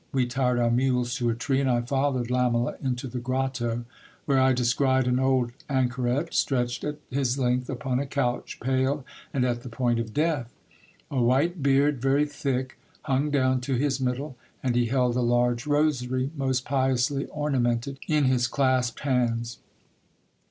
We tied our mules to a tree, and I followed Lamela into the grotto, where I descried an old anchoret stretched at his length upon a couch, pale and at the point of death. A white beard, very thick, hung down to his middle, and he held a large rosary, most piously ornamented, in his clasped hands.